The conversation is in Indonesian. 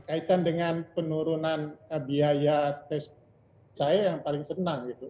kaitan dengan penurunan biaya tes saya yang paling senang gitu